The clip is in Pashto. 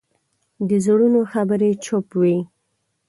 د زړونو خبرې چوپ وي